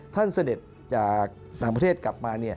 เสด็จจากต่างประเทศกลับมา